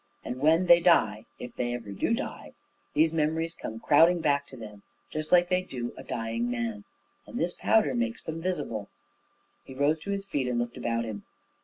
And when they die, if they ever do die, these memories come crowding back to them, just like they do to a dying man; and it's this powder that makes them visible." He rose to his feet and looked about him.